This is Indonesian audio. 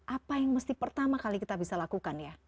apa yang mesti pertama kali kita bisa lakukan ya